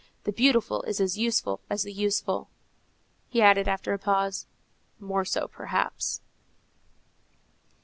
The beautiful is as useful as the useful." He added after a pause, "More so, perhaps."